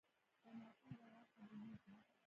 د ماشوم دعا قبليږي.